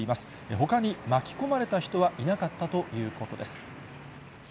ほかに巻き込まれた人はいなかったということです。